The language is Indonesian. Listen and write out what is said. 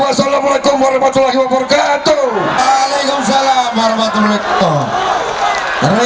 wassalamualaikum warahmatullahi wabarakatuh alaikum salam warahmatullahi wabarakatuh